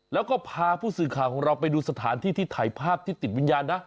แล้วก็พาผู้สื่อข่าวของเราไปดูสถานที่ที่ถ่ายภาพที่ติดวิญญาณนะ